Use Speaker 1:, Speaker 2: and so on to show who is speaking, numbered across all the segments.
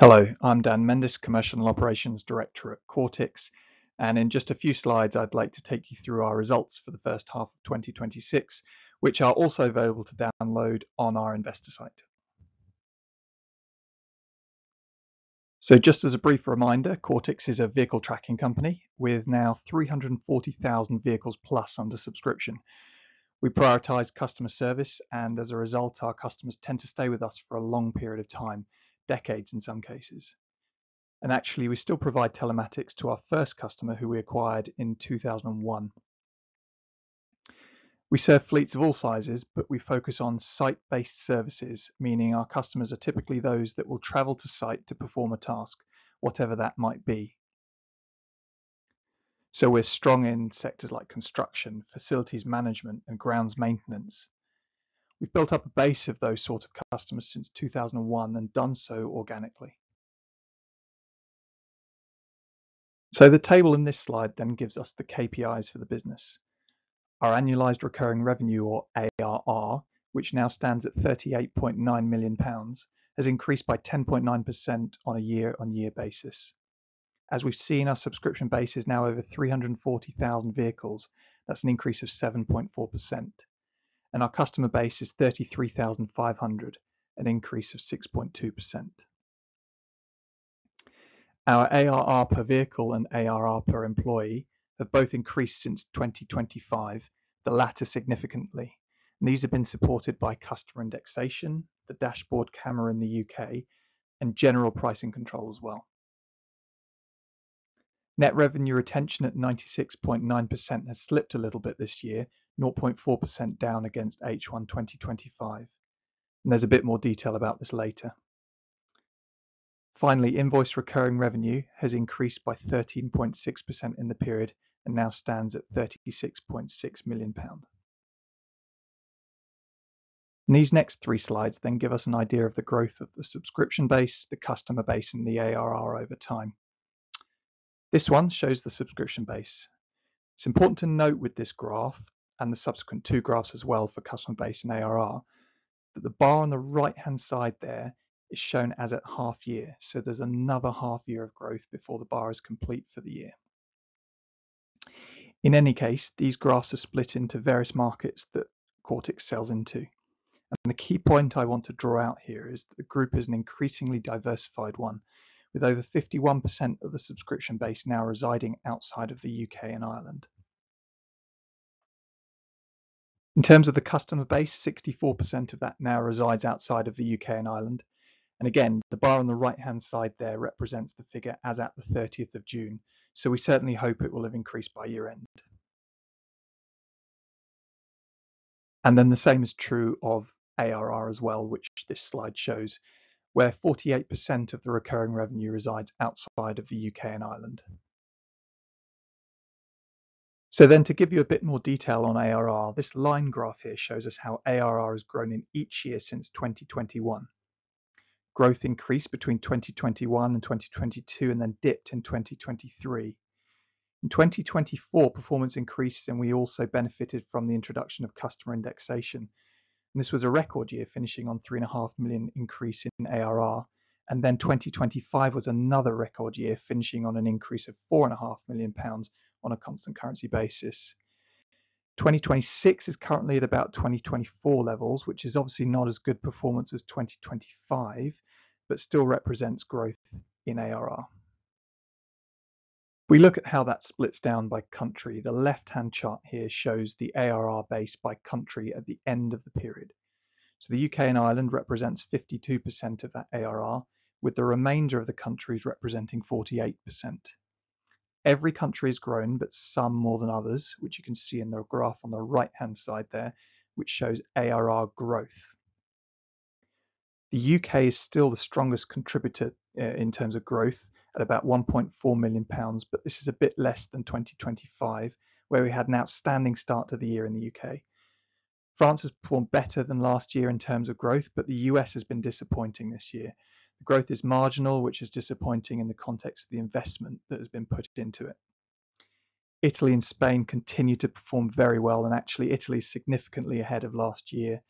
Speaker 1: Hello, I'm Dan Mendis, Commercial Operations Director at Quartix, in just a few slides, I'd like to take you through our results for the first half of 2026, which are also available to download on our investor site. Just as a brief reminder, Quartix is a vehicle tracking company with now 340,000 vehicles plus under subscription. We prioritize customer service, and as a result, our customers tend to stay with us for a long period of time, decades in some cases. Actually, we still provide telematics to our first customer who we acquired in 2001. We serve fleets of all sizes, we focus on site-based services, meaning our customers are typically those that will travel to site to perform a task, whatever that might be. We're strong in sectors like construction, facilities management, and grounds maintenance. We've built up a base of those sort of customers since 2001 and done so organically. The table in this slide gives us the KPIs for the business. Our annualized recurring revenue or ARR, which now stands at 38.9 million pounds, has increased by 10.9% on a year-on-year basis. As we've seen, our subscription base is now over 340,000 vehicles. That's an increase of 7.4%. Our customer base is 33,500, an increase of 6.2%. Our ARR per vehicle and ARR per employee have both increased since 2025, the latter significantly, and these have been supported by customer indexation, the dashboard camera in the U.K., and general pricing control as well. Net revenue retention at 96.9% has slipped a little bit this year, 0.4% down against H1 2025, there's a bit more detail about this later. Finally, invoice recurring revenue has increased by 13.6% in the period and now stands at 36.6 million pound. These next three slides give us an idea of the growth of the subscription base, the customer base, and the ARR over time. This one shows the subscription base. It's important to note with this graph and the subsequent two graphs as well for customer base and ARR, that the bar on the right-hand side there is shown as at half year, there's another half year of growth before the bar is complete for the year. In any case, these graphs are split into various markets that Quartix sells into. The key point I want to draw out here is the group is an increasingly diversified one with over 51% of the subscription base now residing outside of the U.K. and Ireland. In terms of the customer base, 64% of that now resides outside of the U.K. and Ireland. Again, the bar on the right-hand side there represents the figure as at the 30th of June. We certainly hope it will have increased by year-end. The same is true of ARR as well, which this slide shows, where 48% of the recurring revenue resides outside of the U.K. and Ireland. To give you a bit more detail on ARR, this line graph here shows us how ARR has grown in each year since 2021. Growth increased between 2021 and 2022 and then dipped in 2023. In 2024, performance increased, and we also benefited from the introduction of customer indexation, and this was a record year, finishing on 3.5 million increase in ARR. 2025 was another record year, finishing on an increase of 4.5 million pounds on a constant currency basis. 2026 is currently at about 2024 levels, which is obviously not as good performance as 2025, but still represents growth in ARR. We look at how that splits down by country, the left-hand chart here shows the ARR base by country at the end of the period. The U.K. and Ireland represents 52% of that ARR, with the remainder of the countries representing 48%. Every country has grown, but some more than others, which you can see in the graph on the right-hand side there, which shows ARR growth. The U.K. is still the strongest contributor in terms of growth at about 1.4 million pounds, but this is a bit less than 2025, where we had an outstanding start to the year in the U.K. France has performed better than last year in terms of growth, but the U.S. has been disappointing this year. The growth is marginal, which is disappointing in the context of the investment that has been put into it. Italy and Spain continue to perform very well, actually Italy is significantly ahead of last year.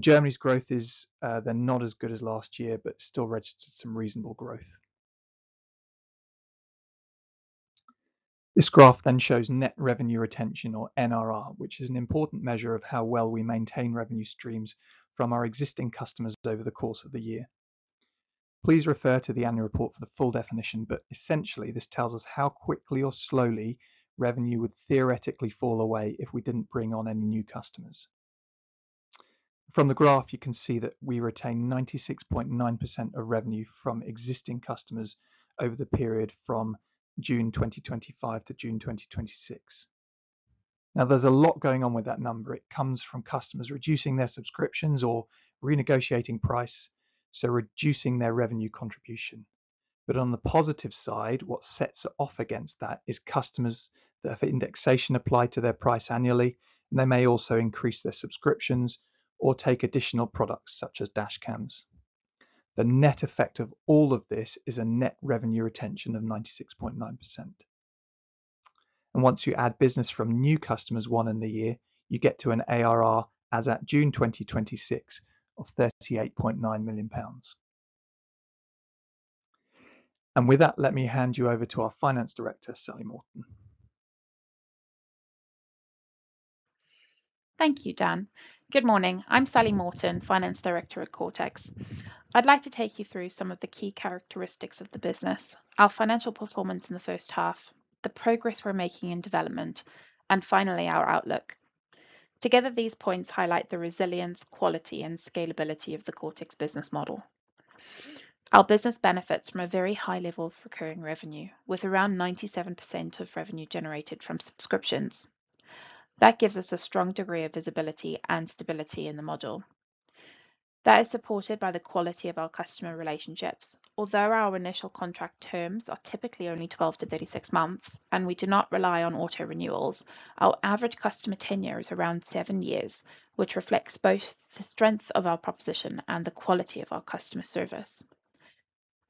Speaker 1: Germany's growth is then not as good as last year but still registered some reasonable growth. This graph then shows net revenue retention or NRR, which is an important measure of how well we maintain revenue streams from our existing customers over the course of the year. Please refer to the annual report for the full definition, essentially this tells us how quickly or slowly revenue would theoretically fall away if we didn't bring on any new customers. From the graph, you can see that we retain 96.9% of revenue from existing customers over the period from June 2025 to June 2026. There's a lot going on with that number. It comes from customers reducing their subscriptions or renegotiating price, so reducing their revenue contribution. On the positive side, what sets it off against that is customers that have indexation applied to their price annually, they may also increase their subscriptions or take additional products such as dash cams. The net effect of all of this is a net revenue retention of 96.9%. Once you add business from new customers won in the year, you get to an ARR as at June 2026 of GBP 38.9 million. With that, let me hand you over to our Finance Director, Sally Morton.
Speaker 2: Thank you, Dan. Good morning. I'm Sally Morton, Finance Director at Quartix. I'd like to take you through some of the key characteristics of the business, our financial performance in the first half, the progress we're making in development, and finally, our outlook. Together, these points highlight the resilience, quality and scalability of the Quartix business model. Our business benefits from a very high level of recurring revenue, with around 97% of revenue generated from subscriptions. That gives us a strong degree of visibility and stability in the model. That is supported by the quality of our customer relationships. Although our initial contract terms are typically only 12-36 months, and we do not rely on auto renewals, our average customer tenure is around seven years, which reflects both the strength of our proposition and the quality of our customer service.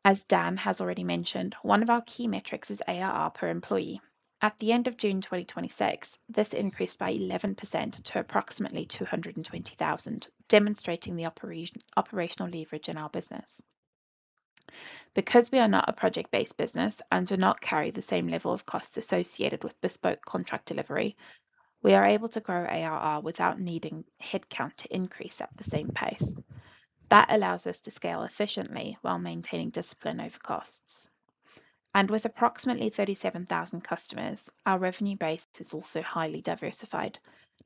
Speaker 2: As Dan has already mentioned, one of our key metrics is ARR per employee. At the end of June 2026, this increased by 11% to approximately 220,000, demonstrating the operational leverage in our business. Because we are not a project-based business and do not carry the same level of costs associated with bespoke contract delivery, we are able to grow ARR without needing headcount to increase at the same pace. That allows us to scale efficiently while maintaining discipline over costs. With approximately 37,000 customers, our revenue base is also highly diversified.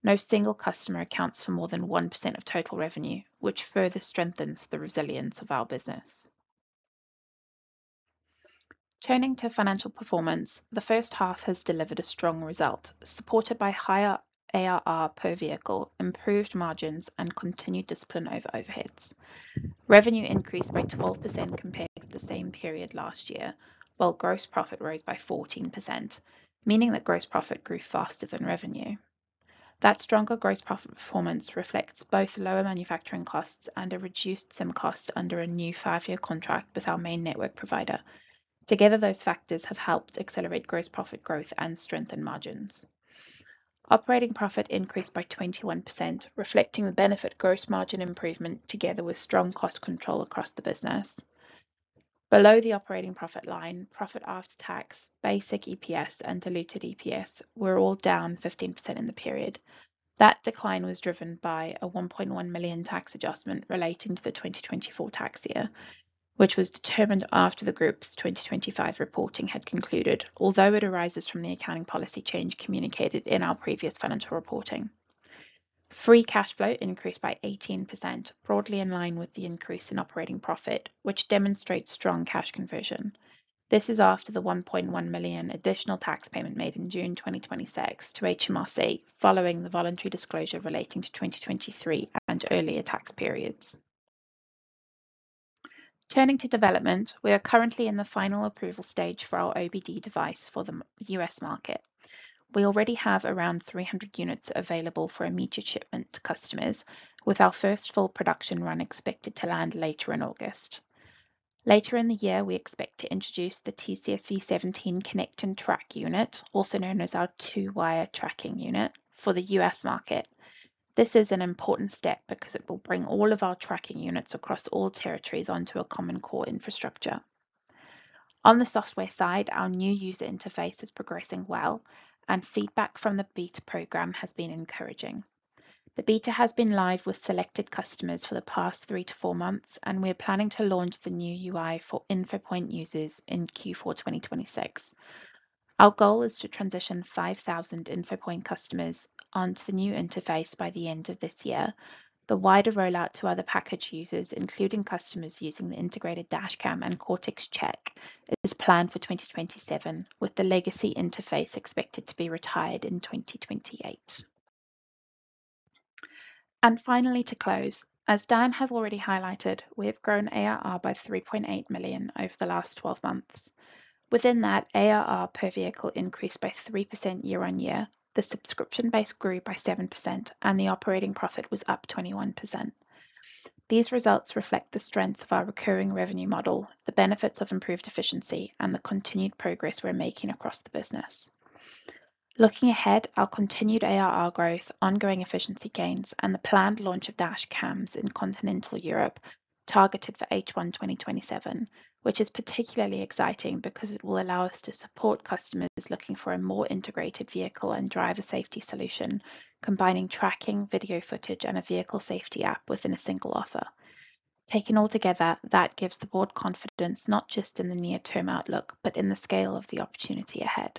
Speaker 2: No single customer accounts for more than 1% of total revenue, which further strengthens the resilience of our business. Turning to financial performance, the first half has delivered a strong result, supported by higher ARR per vehicle, improved margins, and continued discipline over overheads. Revenue increased by 12% compared with the same period last year, while gross profit rose by 14%, meaning that gross profit grew faster than revenue. That stronger gross profit performance reflects both lower manufacturing costs and a reduced SIM cost under a new five-year contract with our main network provider. Together, those factors have helped accelerate gross profit growth and strengthen margins. Operating profit increased by 21%, reflecting the benefit gross margin improvement together with strong cost control across the business. Below the operating profit line, profit after tax, basic EPS and diluted EPS were all down 15% in the period. That decline was driven by a 1.1 million tax adjustment relating to the 2024 tax year, which was determined after the group's 2025 reporting had concluded, although it arises from the accounting policy change communicated in our previous financial reporting. Free cash flow increased by 18%, broadly in line with the increase in operating profit, which demonstrates strong cash conversion. This is after the 1.1 million additional tax payment made in June 2026 to HMRC, following the voluntary disclosure relating to 2023 and earlier tax periods. Turning to development, we are currently in the final approval stage for our OBD device for the U.S. market. We already have around 300 units available for immediate shipment to customers, with our first full production run expected to land later in August. Later in the year, we expect to introduce the TCSV17 Connect & Track unit, also known as our two-wire tracking unit, for the U.S. market. This is an important step because it will bring all of our tracking units across all territories onto a common core infrastructure. On the software side, our new user interface is progressing well, and feedback from the beta program has been encouraging. The beta has been live with selected customers for the past three to four months, and we're planning to launch the new UI for InfoPoint users in Q4 2026. Our goal is to transition 5,000 InfoPoint customers onto the new interface by the end of this year. The wider rollout to other package users, including customers using the integrated dashcam and Quartix Check, is planned for 2027, with the legacy interface expected to be retired in 2028. Finally, to close, as Dan has already highlighted, we have grown ARR by 3.8 million over the last 12 months. Within that, ARR per vehicle increased by 3% year-on-year, the subscription base grew by 7%, and the operating profit was up 21%. These results reflect the strength of our recurring revenue model, the benefits of improved efficiency, and the continued progress we're making across the business. Looking ahead, our continued ARR growth, ongoing efficiency gains, and the planned launch of dashcams in Continental Europe targeted for H1 2027, which is particularly exciting because it will allow us to support customers looking for a more integrated vehicle and driver safety solution, combining tracking video footage and a vehicle safety app within a single offer. Taken altogether, that gives the board confidence not just in the near-term outlook, but in the scale of the opportunity ahead.